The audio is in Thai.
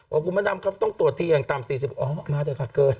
ว่าคุณพระนามต้องตรวจที่อย่างต่ำ๔๐อ๋อมากจะขาดเกิน